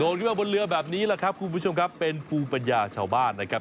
ขึ้นมาบนเรือแบบนี้แหละครับคุณผู้ชมครับเป็นภูมิปัญญาชาวบ้านนะครับ